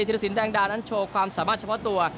ธิรสินแดงดานั้นโชว์ความสามารถเฉพาะตัว